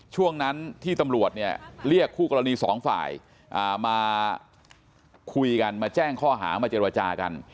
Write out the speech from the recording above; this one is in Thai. ช่วงนั้นที่ตำรวจเนี่ยเรียกคู่กรณีสองฝ่ายมาคุยกันมาแจ้งข้อหามาเจรจากัน